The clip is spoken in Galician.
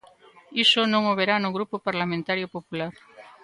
Iso non o verá no Grupo Parlamentario Popular.